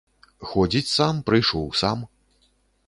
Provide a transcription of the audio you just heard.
Ходзіць сам, прыйшоў сам.